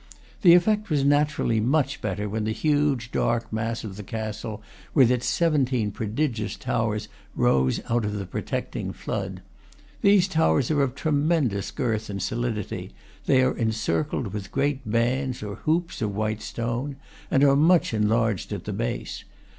The effect was naturally much better when the huge, dark mass of the castle, with its seventeen prodigious towers, rose out of the protecting flood. These towers are of tremendous girth and soli dity; they are encircled with great bands, or hoops, of white stone, and are much enlarged at the base.